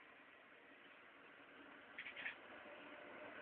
ambazo wanaweza skeletonize ngombe katika dakika chini